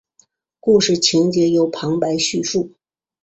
故事情节由旁白叙述。